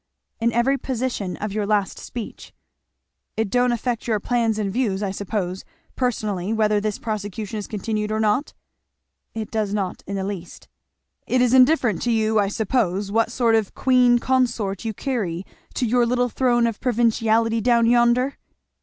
"In every position of your last speech." "It don't affect your plans and views, I suppose, personally, whether this prosecution is continued or not?" "It does not in the least." "It is indifferent to you, I suppose, what sort of a Queen consort you carry to your little throne of a provinciality down yonder?"